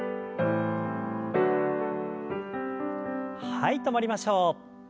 はい止まりましょう。